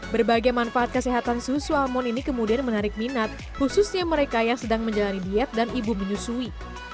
berbagai manfaat kesehatan susu almon ini kemudian menarik minat khususnya mereka yang sedang menjalani diet dan ibu menyusui